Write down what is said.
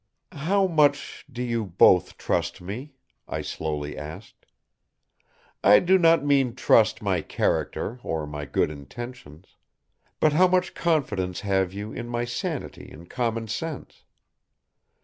"How much do you both trust me?" I slowly asked. "I do not mean trust my character or my good intentions, but how much confidence have you in my sanity and commonsense?